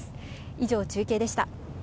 以上、中継でした。